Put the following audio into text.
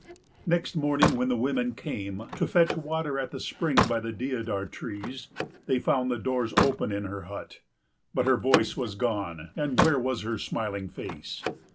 Next morning when the women came to fetch water at the spring by the deodar trees, they found the doors open in her hut, but her voice was gone and where was her smiling face?